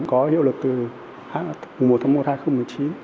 có hiệu lực từ một tháng một hai nghìn một mươi chín